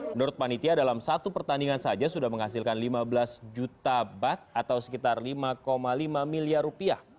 menurut panitia dalam satu pertandingan saja sudah menghasilkan lima belas juta bat atau sekitar lima lima miliar rupiah